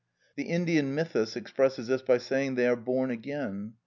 The Indian mythus expresses this by saying "they are born again."